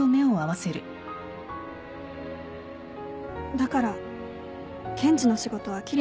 だから検事の仕事は桐矢君に任せた。